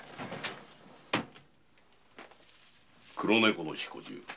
「黒猫の彦十」